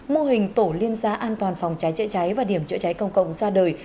mô hình tổ liên giá an toàn phòng cháy chữa cháy và điểm chữa cháy công cộng ra đời